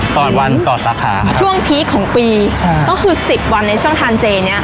วันต่อสาขาค่ะช่วงพีคของปีใช่ก็คือสิบวันในช่วงทานเจเนี้ยค่ะ